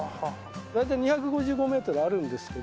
大体２５５メートルあるんですけど。